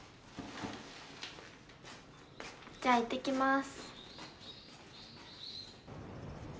じゃいってきます。